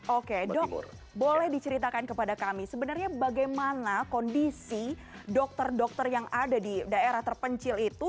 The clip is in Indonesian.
oke dok boleh diceritakan kepada kami sebenarnya bagaimana kondisi dokter dokter yang ada di daerah terpencil itu